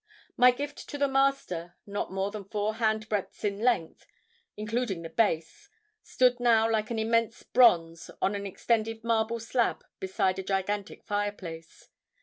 "My gift to the Master, not more than four handbreaths in length, including the base, stood now like an immense bronze on an extended marble slab beside a gigantic fireplace.